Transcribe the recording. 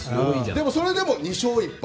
でもそれでも２勝１敗。